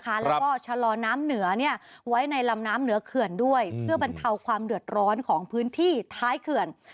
แล้วก็ชะลอน้ำเหนือไว้ในลำน้ำเหนือเขื่อนด้วยเพื่อบรรเทาความเดือดร้อนของพื้นที่ท้ายเขื่อน